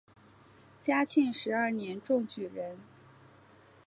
嘉庆十二年中举人。